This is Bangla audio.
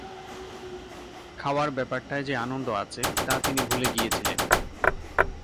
খাওয়ার ব্যাপারটায় যে আনন্দ আছে তা তিনি ভুলে গিয়েছিলেন।